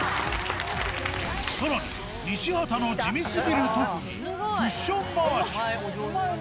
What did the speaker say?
さらに、西畑の地味すぎる特技、クッション回し。